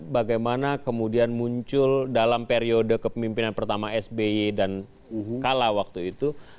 bagaimana kemudian muncul dalam periode kepemimpinan pertama sby dan kala waktu itu